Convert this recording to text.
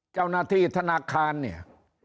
เจ้าหน้าที่ธนาคารเนี่ย